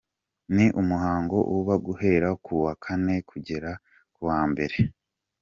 "Ni umuhango uba guhera ku wa kane kugera ku wa mbere.